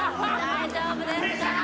大丈夫ですか？